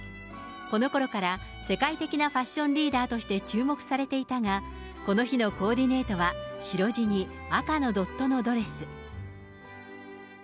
このころから世界的なファッションリーダーとして注目されていたが、この日のコーディネートは白地に赤のドットのドレス。